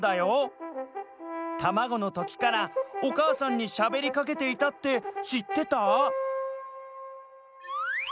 たまごのときからおかあさんにしゃべりかけていたってしってた？